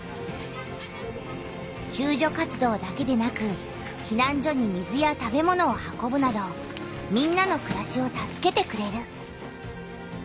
救助活動だけでなくひなん所に水や食べ物を運ぶなどみんなのくらしを助けてくれる。